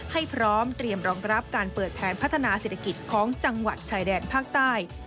ให้พร้อมเตรียมรองรับการเปิดแผนพัฒนาเศรษฐกิจของจังหวัดชายแดนภาคใต้